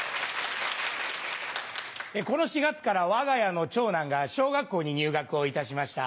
この４月からわが家の長男が小学校に入学をいたしました。